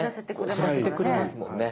知らせてくれますもんね。